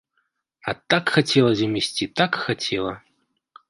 А так хацела з імі ісці, так хацела!